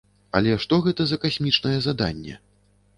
Але што гэта за касмічнае заданне?